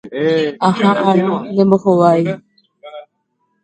Aha'ãrõ ne mbohovái.